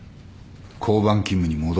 交番勤務に戻ってもらう。